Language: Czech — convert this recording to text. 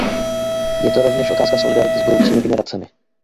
Je to rovněž otázka solidarity s budoucími generacemi.